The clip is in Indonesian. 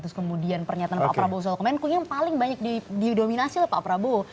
terus kemudian pernyataan pak prabowo soal kemenku yang paling banyak didominasi oleh pak prabowo